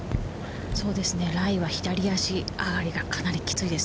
ライは左足上がりがかなりきついです。